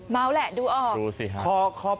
เมาแหละดูออก